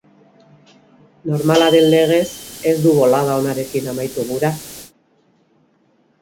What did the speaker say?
Normala den legez, ez du bolada onarekin amaitu gura.